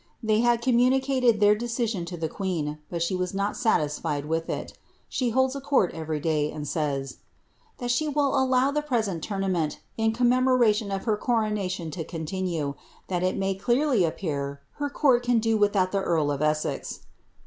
They have :ommunicated their decision to the queen, but she is not satisfied with t She holds a court every day, and says ^ that she will allow the pre lent tournament in commemoration of her coronation to continue, that t may clearly appear her court can do without the earl of Essex."